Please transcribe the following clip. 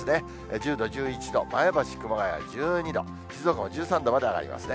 １０度、１１度、前橋、熊谷１２度、静岡も１３度まで上がりますね。